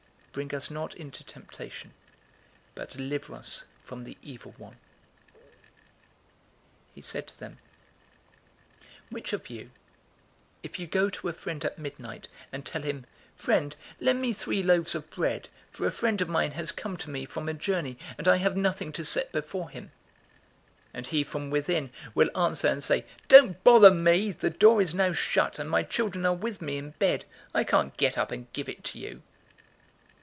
Bring us not into temptation, but deliver us from the evil one.'" 011:005 He said to them, "Which of you, if you go to a friend at midnight, and tell him, 'Friend, lend me three loaves of bread, 011:006 for a friend of mine has come to me from a journey, and I have nothing to set before him,' 011:007 and he from within will answer and say, 'Don't bother me. The door is now shut, and my children are with me in bed. I can't get up and give it to you'?